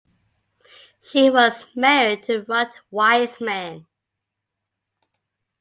She was married to Rod Wiseman.